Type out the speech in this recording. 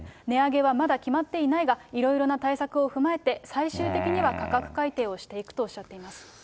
値上げはまだ決まっていないが、いろいろな対策を踏まえて、最終的には価格改定をしていくとおっしゃっています。